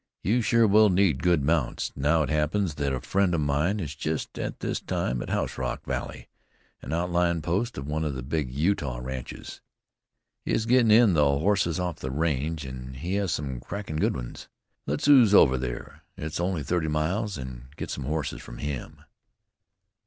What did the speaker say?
"You sure will need good mounts. Now it happens that a friend of mine is just at this time at House Rock Valley, an outlyin' post of one of the big Utah ranches. He is gettin' in the horses off the range, an' he has some crackin' good ones. Let's ooze over there it's only thirty miles an' get some horses from him."